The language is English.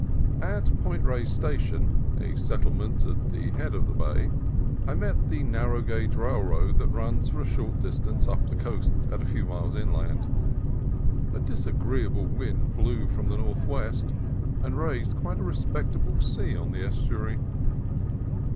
At Point Reyes Station, a settlement at the head of the bay, I met the narrow gauge railroad that runs for a short distance up the coast at a few miles inland. A disagreeable wind blew from the north west, and raised quite a respectable sea on the estu ary.